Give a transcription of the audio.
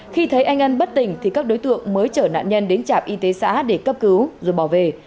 khi thấy anh ân bất tỉnh thì các đối tượng mới chở nạn nhân đến trạm y tế xã để cấp cứu rồi bỏ về